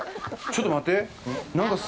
ちょっと待って！